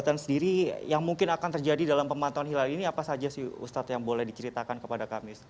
kegiatan sendiri yang mungkin akan terjadi dalam pemantauan hilal ini apa saja sih ustadz yang boleh diceritakan kepada kami